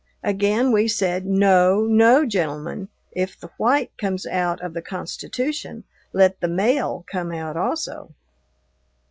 Again we said "No, no, gentlemen! if the 'white' comes out of the Constitution, let the 'male' come out also.